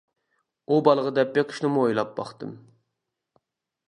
ئۇ بالىغا دەپ بېقىشنىمۇ ئويلاپ باقتىم.